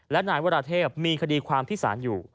และนายวราเทพมีคดีความที่ศาลอยู่